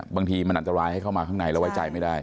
บางทีมันอันตรายให้เข้ามาข้างในแล้วไว้ใจไม่ได้